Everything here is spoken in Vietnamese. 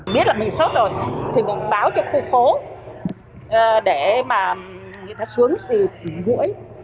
biết là mình sốt rồi thì mình báo cho khu phố để mà người ta xuống xịt muỗi